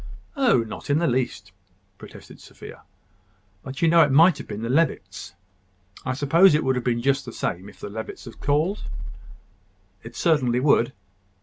"Oh! not in the least," protested Sophia. "But you know it might have been the Levitts. I suppose it would have been just the same if the Levitts had called?" "It certainly would."